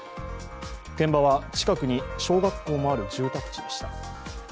現場は近くに小学校もある住宅地でした。